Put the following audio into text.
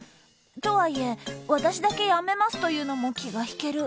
とはいえ私だけやめますというのも気が引ける。